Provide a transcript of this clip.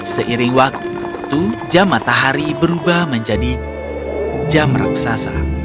seiring waktu jam matahari berubah menjadi jam raksasa